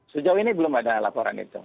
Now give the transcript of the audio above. sejauh ini belum ada laporan itu